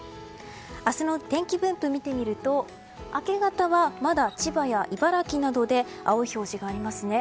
明日の天気分布を見てみると明け方はまだ千葉や茨城などで青い表示がありますね。